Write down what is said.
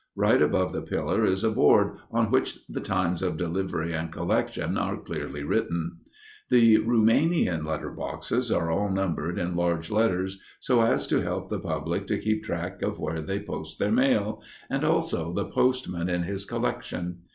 Right above the pillar is a board on which the times of delivery and collection are clearly written. The Rumanian letter boxes are all numbered in large letters so as to help the public to keep track of where they post their mail, and also the postman in his collection.